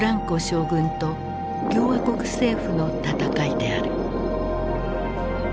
将軍と共和国政府の戦いである。